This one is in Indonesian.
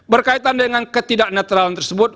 berkaitan dengan ketidak netralan tersebut